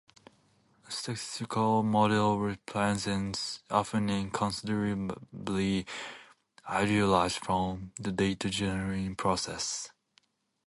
A statistical model represents, often in considerably idealized form, the data-generating process.